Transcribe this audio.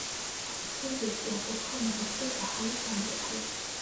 შემდეგ კი აკურთხა მონასტრის ახალი სამრეკლო.